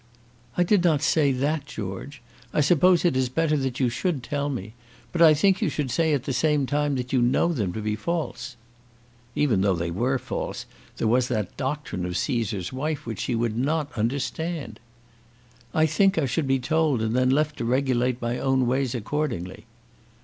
"I did not say that, George. I suppose it is better that you should tell me. But I think you should say at the same time that you know them to be false." Even though they were false, there was that doctrine of Cæsar's wife which she would not understand! "I think I should be told, and then left to regulate my own ways accordingly."